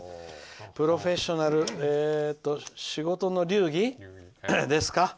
「プロフェッショナル仕事の流儀」ですか。